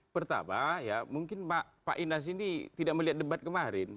pertama ya mungkin pak inas ini tidak melihat debat kemarin